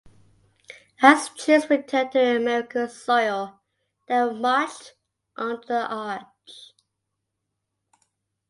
As troops returned to American soil, they were marched under the arch.